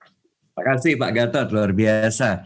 terima kasih pak gatot luar biasa